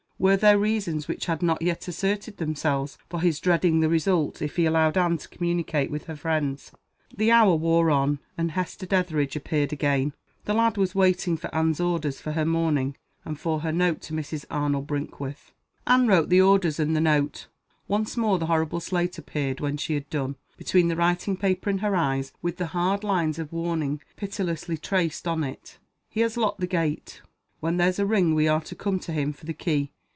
Were there reasons, which had not yet asserted themselves, for his dreading the result, if he allowed Anne to communicate with her friends? The hour wore on, and Hester Dethridge appeared again. The lad was waiting for Anne's orders for her mourning, and for her note to Mrs. Arnold Brinkworth. Anne wrote the orders and the note. Once more the horrible slate appeared when she had done, between the writing paper and her eyes, with the hard lines of warning pitilessly traced on it. "He has locked the gate. When there's a ring we are to come to him for the key.